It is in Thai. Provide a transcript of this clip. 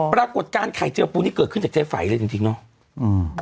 ปรากฏการณ์ไข่เจอปูนี่เกิดขึ้นจากใจไฝเลยจริงเนาะ